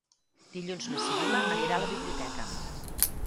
Dilluns na Sibil·la anirà a la biblioteca.